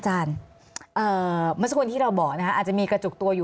ใช่ค่ะ